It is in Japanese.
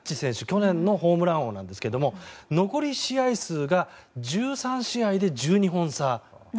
去年のホームラン王なんですが残り試合数が１３試合で１２本差。